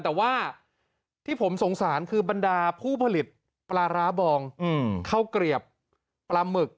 แต่ว่าที่ผมสงสารคือบรรดาผู้ผลิตปลาร้าบองข้าวเกลียบปลาหมึก